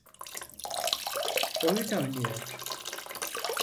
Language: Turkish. Oyun oynuyor.